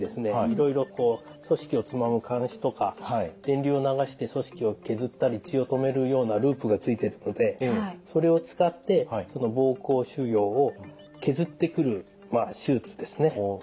いろいろ組織をつまむ鉗子とか電流を流して組織を削ったり血を止めるようなループがついてるのでそれを使って膀胱腫瘍を削ってくる手術ですね。